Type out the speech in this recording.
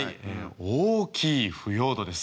大きい腐葉土です。